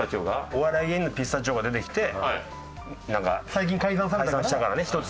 お笑い芸人のピスタチオが出てきてなんか解散したからね